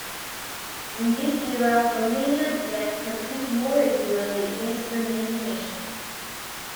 In this era Romania began to compete more regularly against the major nations.